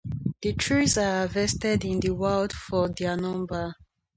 The trees are harvested in the wild for their timber.